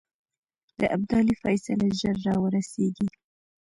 د ابدالي فیصله ژر را ورسېږي.